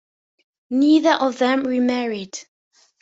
Neither of them remarried.